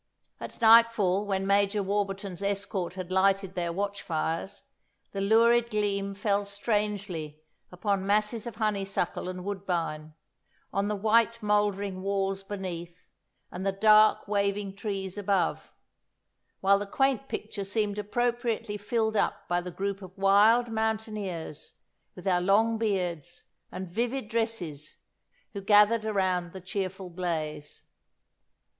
At nightfall when Major Warburton's escort had lighted their watch fires, the lurid gleam fell strangely upon masses of honeysuckle and woodbine; on the white, mouldering walls beneath, and the dark, waving trees above; while the quaint picture seemed appropriately filled up by the group of wild mountaineers, with their long beards and vivid dresses, who gathered around the cheerful blaze.